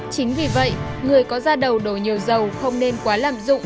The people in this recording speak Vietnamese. chính vì vậy người có ra đầu đổ nhiều dầu không nên quá lạm dụng